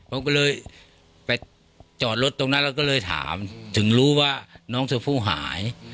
ผมก็เลยไปจอดรถตรงนั้นเราก็เลยถามถึงรู้ว่าน้องชมพู่หาย